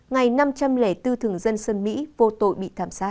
ngày năm trăm linh bốn thường dân sơn mỹ vô tội bị thảm sát